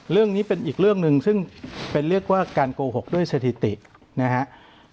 เรื่องนี้เป็นอีกเรื่องหนึ่งซึ่งเป็นเรียกว่าการโกหกด้วยสถิตินะครับ